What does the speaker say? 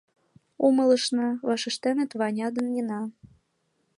— Умылышна! — вашештеныт Ваня ден Нина.